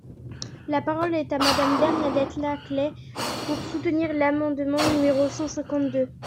La parole est à Madame Bernadette Laclais pour soutenir l’amendement numéro cinq cent deux.